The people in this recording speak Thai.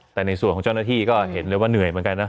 แต่ในส่วนของเจ้าหน้าที่ก็เห็นเลยว่าเหนื่อยเหมือนกันนะ